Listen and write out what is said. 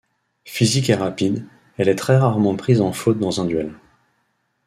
Physique et rapide, elle est très rarement prise en faute dans un duel.